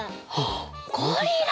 ゴリラ。